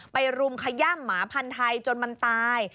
รุมขย่ำหมาพันธุ์ไทยจนมันตาย